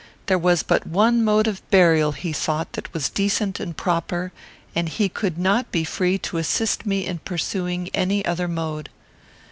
There was but one mode of burial, he thought, that was decent and proper, and he could not be free to assist me in pursuing any other mode.